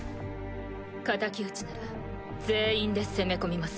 敵討ちなら全員で攻め込みますよ。